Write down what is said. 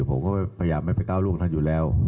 ผมก็พยายามไม่ไปก้าวล่วงท่านอยู่แล้ว